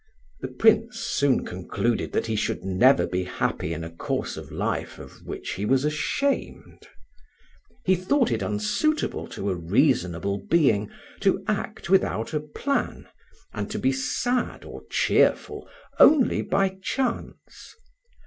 The Prince soon concluded that he should never be happy in a course of life of which he was ashamed. He thought it unsuitable to a reasonable being to act without a plan, and to be sad or cheerful only by chance.